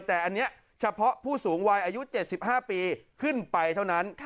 แต่อันนี้เฉพาะผู้สูงวัยอายุ๗๕ปีขึ้นไปเท่านั้น